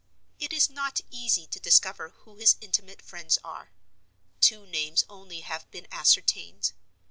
It is not easy to discover who his intimate friends are. Two names only have been ascertained.